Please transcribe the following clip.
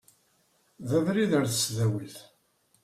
D abrid ɣer tesdawit.